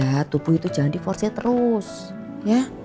berja tubuh itu jangan di force terus ya